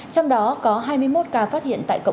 trong đó có hai mươi một ca phát hiện tại tp hcm